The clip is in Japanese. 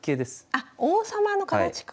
あっ王様の形か。